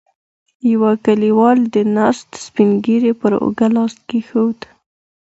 يوه کليوال د ناست سپين ږيری پر اوږه لاس کېښود.